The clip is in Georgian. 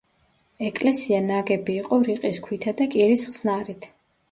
ეკლესია ნაგები იყო რიყის ქვითა და კირის ხსნარით.